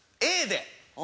Ａで。